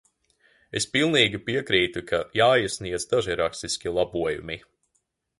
Es pilnīgi piekrītu, ka jāiesniedz daži rakstiski labojumi.